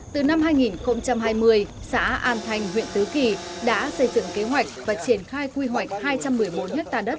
từ năm hai nghìn hai mươi xã an thanh huyện tứ kỳ đã xây dựng kế hoạch và triển khai quy hoạch hai trăm một mươi bốn ha đất